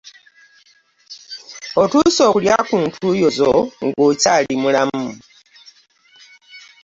Otuuse okulya ku ntuuyo zo ng'okyali mulamu.